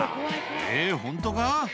「えぇホントか？」